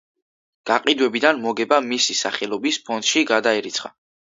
გაყიდვებიდან მოგება მისი სახელობის ფონდში გადაირიცხა.